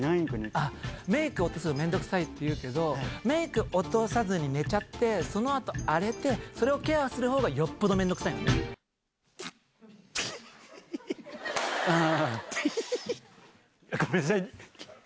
あっ、メーク落とすの面倒臭いっていうけど、メイク落とさずに寝ちゃって、そのあと荒れて、それをケアするほうがよっぽどめんどくさいあぁ。